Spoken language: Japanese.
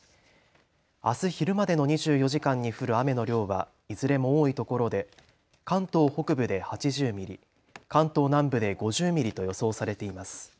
あす昼までの２４時間に降る雨の量はいずれも多いところで関東北部で８０ミリ、関東南部で５０ミリと予想されています。